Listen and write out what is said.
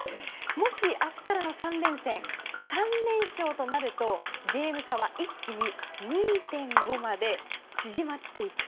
もし、明日からの３連戦で３連勝となるとゲーム差は一気に２．５まで縮まっていくと。